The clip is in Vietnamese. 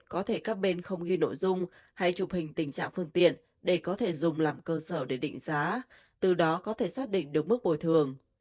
có thể các bên không ghi nội dung hay chụp hình tình trạng phương tiện để có thể dùng làm cơ sở để định giá từ đó có thể xác định được mức bồi thường